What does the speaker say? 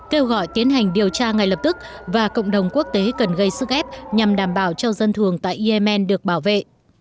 kêu gọi tiến hành điều tra ngay lập tức và cộng đồng quốc tế cần gây sức ép nhằm đảm bảo cho dân thường tại yemen được bảo vệ